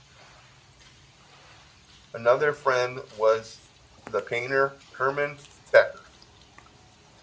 Another friend was the painter Hermann Becker.